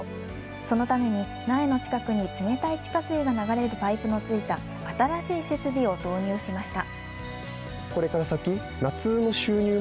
そのために、苗の近くに冷たい地下水が流れるパイプの付いた新しい設備を導入しました。